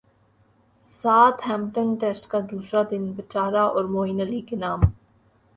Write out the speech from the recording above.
ساتھ Hampton test کا دوسرا دن پجارا اور معین علی کے نام